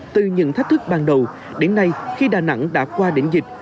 từ những thách thức ban đầu đến nay khi đà nẵng đã qua đỉnh dịch